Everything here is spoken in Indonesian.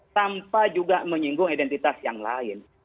tanpa juga menyinggung identitas yang lain